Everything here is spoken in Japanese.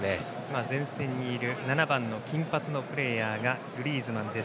前線にいる７番の金髪のプレーヤーがグリーズマンです。